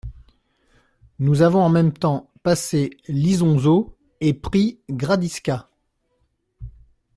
Nous avons en même temps passé l'Isonzo et pris Gradisca.